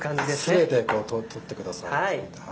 全てこう取ってください。